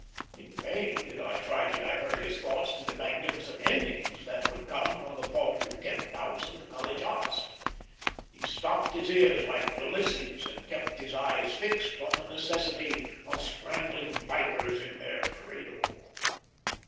In vain did I try to divert his thoughts to the magnificent endings that would come from the paltry ten thousand the College asked. He stopped his ears, like Ulysses, and kept his eyes fixed on the necessity of strangling vipers in their cradle.